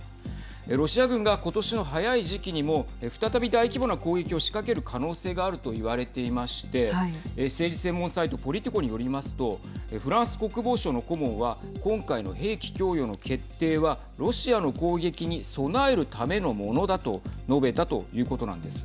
ロシア軍が今年の早い時期にも再び大規模な攻撃を仕掛ける可能性があると言われていまして政治専門サイトポリティコによりますとフランス国防相の顧問は今回の兵器供与の決定はロシアの攻撃に備えるためのものだと述べたということなんです。